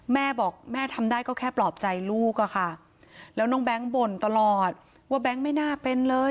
แม่บอกแม่ทำได้ก็แค่ปลอบใจลูกอะค่ะแล้วน้องแบงค์บ่นตลอดว่าแบงค์ไม่น่าเป็นเลย